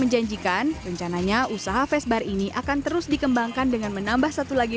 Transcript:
menjanjikan rencananya usaha vesbar ini akan terus dikembangkan dengan menambah satu lagi